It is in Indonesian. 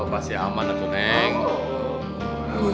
pasti aman itu neng